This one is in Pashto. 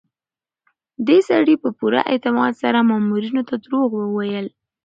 دې سړي په پوره اعتماد سره مامورینو ته دروغ وویل.